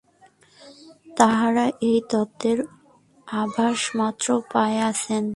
তাঁহারা এই তত্ত্বের আভাসমাত্র পাইয়াছেন।